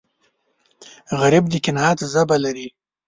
غریب د قناعت ژبه لري